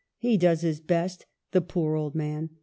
He does his best — the poor old man